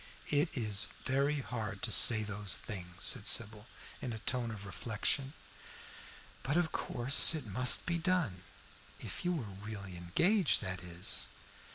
"It is very hard to say those things," said Sybil, in a tone of reflection. "But of course it must be done if you were really engaged, that is."